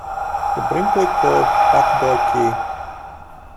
The Brinkley Court back-door key.